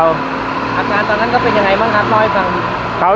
สวัสดีครับ